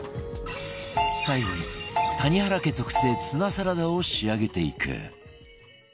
最後に谷原家特製ツナサラダを仕上げていく